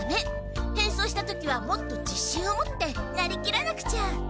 変装した時はもっとじしんを持ってなりきらなくちゃ！